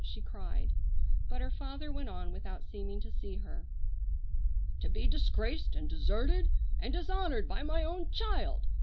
she cried. But her father went on without seeming to see her. "To be disgraced and deserted and dishonored by my own child!